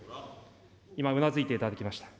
今うなずいていただきました。